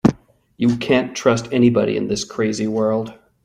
You can't trust anybody in this crazy world.